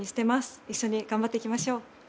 一緒に頑張っていきましょう。